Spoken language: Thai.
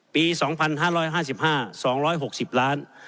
ปี๒๕๕๕๒๖๐ล้าน